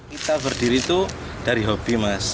kita berdiri itu dari hobi mas